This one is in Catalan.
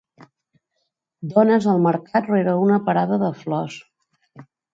Dones al mercat rere una parada de flors.